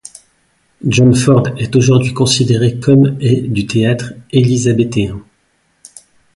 John Ford est aujourd'hui considéré comme et du théâtre élisabéthain.